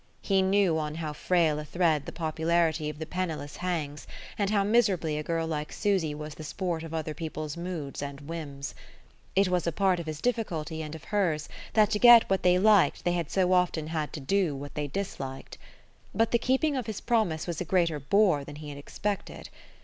He knew on how frail a thread the popularity of the penniless hangs, and how miserably a girl like Susy was the sport of other people's moods and whims. It was a part of his difficulty and of hers that to get what they liked they so often had to do what they disliked. But the keeping of his promise was a greater bore than he had expected.